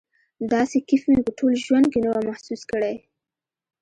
داسې کيف مې په ټول ژوند کښې نه و محسوس کړى.